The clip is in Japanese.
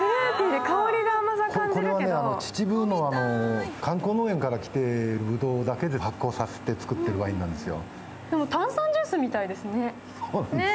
秩父の観光農園から来てるぶどうだけを発酵させて造ってるワインなんですよ。